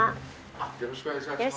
よろしくお願いします。